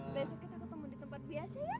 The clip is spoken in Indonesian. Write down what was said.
besok kita ketemu di tempat biasa ya